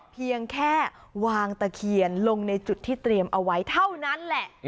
เพียงแค่วางตะเคียนลงในจุดที่เตรียมเอาไว้เท่านั้นแหละ